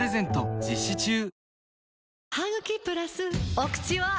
お口は！